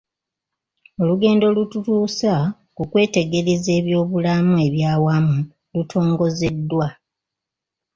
Olugendo olututuusa ku kwetegereza ebyobulamu eby'awamu lutongozeddwa